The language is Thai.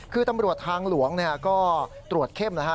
คือตำรวจทางหลวงก็ตรวจเข้มนะฮะ